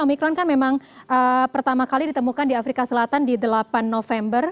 omikron kan memang pertama kali ditemukan di afrika selatan di delapan november